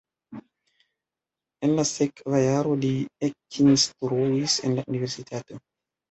En la sekva jaro li ekinstruis en la universitato.